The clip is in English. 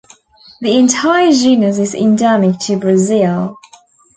The entire genus is endemic to Brazil.